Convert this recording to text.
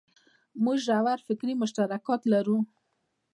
موږ ژور فکري مشترکات لرو.